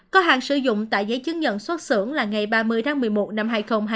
có hàng sử dụng tại giấy chứng nhận xuất xưởng là ngày ba mươi tháng một mươi một năm hai nghìn hai mươi